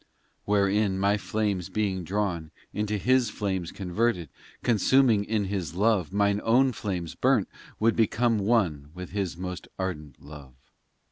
XI Wherein my flames being drawn Into His flames converted Consuming in His love, Mine own flames burnt Would become one with His most ardent love.